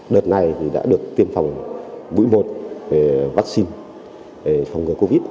đợt này đã được tiêm phòng mũi một vắc xin để phòng ngừa covid